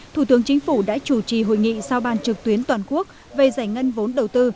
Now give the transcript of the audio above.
thủ tướng chính phủ đã chủ trì hội nghị sao ban trực tuyến toàn quốc về giải ngân vốn đầu tư